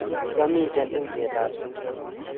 kiamite tuyietab sukul